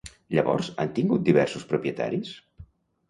Llavors han tingut diversos propietaris?